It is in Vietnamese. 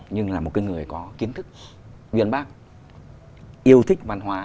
nhưng là một cái người có kiến thức viên bác yêu thích văn hóa